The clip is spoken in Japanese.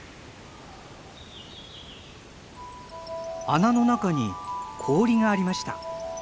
穴の中に氷がありました。